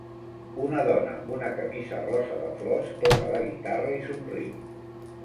Una dona amb una camisa rosa de flors toca la guitarra i somriu